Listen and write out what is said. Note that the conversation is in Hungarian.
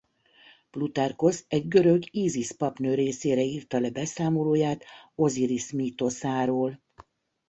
Plutarkhosz egy görög Ízisz-papnő részére írta le beszámolóját Ozirisz mítoszáról.